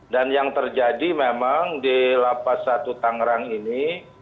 dan yang terjadi memang di la paz satu tangerang ini